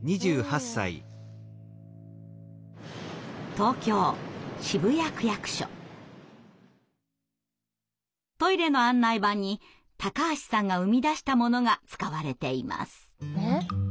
東京トイレの案内板に橋さんが生み出したものが使われています。